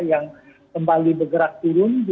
yang kembali berubah